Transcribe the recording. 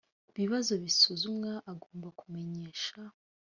bibazo bisuzumwa agomba kumenyesha